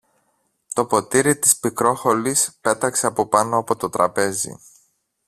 το ποτήρι της Πικρόχολης πέταξε από πάνω από το τραπέζι